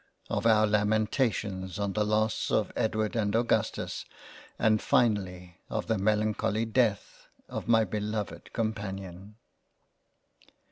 of our lamentations on the loss of Edward and Augustus and finally of the melancholy Death of my beloved Companion.